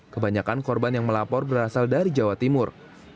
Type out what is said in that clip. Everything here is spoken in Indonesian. kebanyakan korban yang melapor berasal dari jawa timur